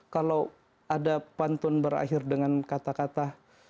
kalau ada pantun berakhir dengan kata kata